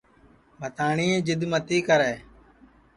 بھتاٹؔیں جِد متی کرے